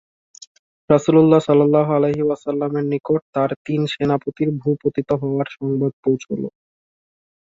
রাসূলুল্লাহ সাল্লাল্লাহু আলাইহি ওয়াসাল্লামের নিকট তাঁর তিন সেনাপতির ভূপতিত হওয়ার সংবাদ পৌঁছল।